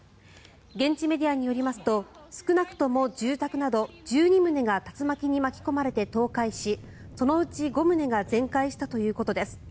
現地メディアによりますと少なくとも住宅など１２棟が竜巻に巻き込まれて倒壊しそのうち５棟が全壊したということです。